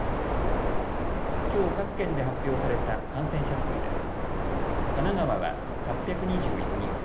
きょう各県で発表された感染者数です。